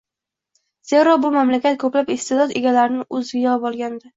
zero, bu mamlakat ko‘plab iste’dod egalarini o‘ziga yig‘ib olgandi.